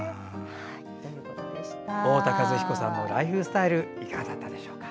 太田和彦さんのライフスタイルいかがだったでしょうか。